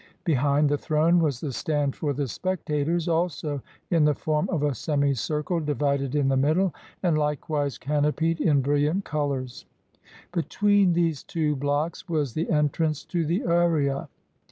Behind the throne was the stand for the spectators, also in the form of a semicircle divided in the middle, and likewise canopied in brilliant colors. Between these two blocks was the entrance to the area.